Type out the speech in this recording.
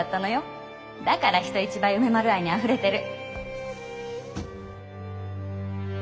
だから人一倍梅丸愛にあふれてる。